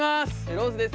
ローズです。